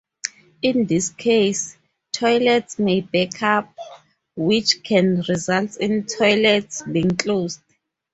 In this case, toilets may back up, which can result in toilets being closed.